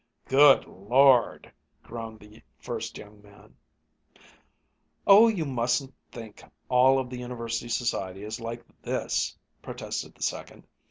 "Good Lord!" groaned the first young man. "Oh, you mustn't think all of the University society is like this!" protested the second.